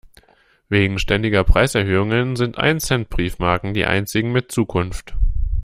Wegen ständiger Preiserhöhungen sind Ein-Cent-Briefmarken die einzigen mit Zukunft.